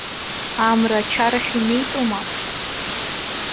Амра ачарахь инеитәума?